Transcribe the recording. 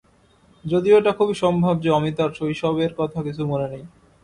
যদিও এটা খুবই সম্ভব যে, অমিতার শৈশবের কথা কিছু মনে নেই।